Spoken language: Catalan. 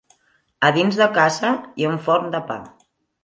A dins de casa hi ha un forn de pa.